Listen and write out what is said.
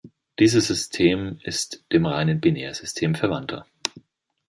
Dieses System ist dem reinen Binärsystem verwandter.